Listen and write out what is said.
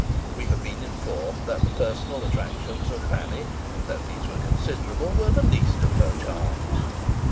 We have been informed that the personal attractions of Fanny, though these were considerable, were the least of her charms.